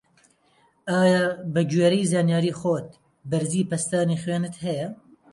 ئایا بە گوێرەی زانیاری خۆت بەرزی پەستانی خوێنت هەیە؟